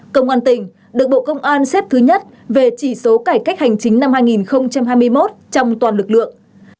công an tỉnh được bộ công an xếp thứ nhất về chỉ số cải cách hành chính năm hai nghìn hai mươi một trong toàn lực lượng